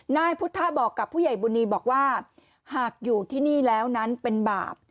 นายพุทธบอกกับผู้ใหญ่บุญนีบอกว่าหากอยู่ที่นี่แล้วนั้นเป็นบาป